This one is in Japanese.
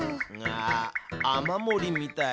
あ雨もりみたい。